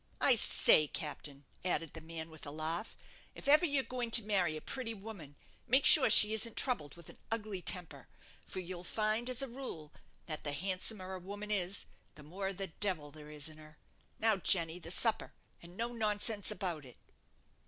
I say, captain," added the man, with a laugh, "if ever you're going to marry a pretty woman, make sure she isn't troubled with an ugly temper; for you'll find, as a rule, that the handsomer a woman is the more of the devil there is in her. Now, Jenny, the supper, and no nonsense about it."